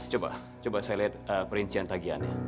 coba coba saya lihat perincian tagihannya